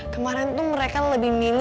kemarin tuh mereka lebih milih